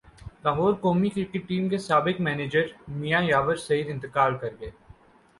لاہورقومی cricket team کے سابق manager Mian یاور سعید انتقال کرگئے